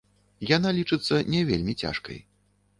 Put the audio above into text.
Яна лічыцца не вельмі цяжкай.